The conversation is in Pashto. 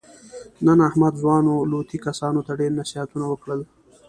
نن احمد ځوانو لوطي کسانو ته ډېر نصیحتونه وکړل.